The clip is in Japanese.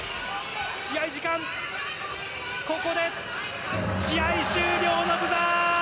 試合時間、ここで試合終了のブザー！